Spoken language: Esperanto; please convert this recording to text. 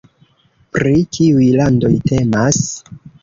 Pri kiuj landoj temas?